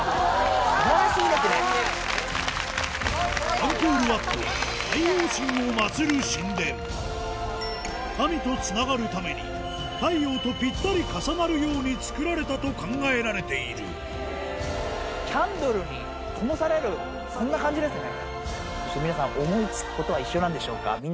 アンコールワットは神とつながるために太陽とぴったり重なるように造られたと考えられているそんな感じですね。